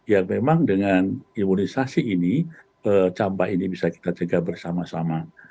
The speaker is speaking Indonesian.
ya memang dengan imunisasi ini campak ini bisa kita cegah bersama sama